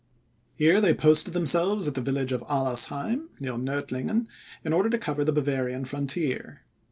Here they posted themselves at the village of Allersheim, near Nordlingen, in order to cover the Bavarian frontier.